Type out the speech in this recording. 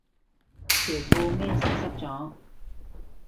條褲咩事濕咗